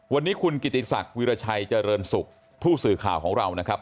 วันนี้คุณกิติศักดิ์วิราชัยเจริญสุขผู้สื่อข่าวของเรานะครับ